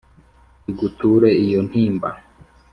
iguture iyo ntimba !